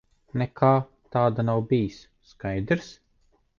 Nekā tāda nav bijis. Skaidrs?